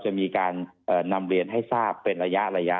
จะมีการนำเรียนให้ทราบเป็นระยะ